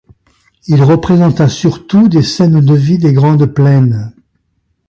Il représenta surtout des scènes de vie des Grandes Plaines.